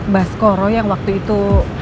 bahas koro yang waktu itu